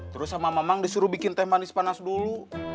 terus sama mamang disuruh bikin teh manis panas dulu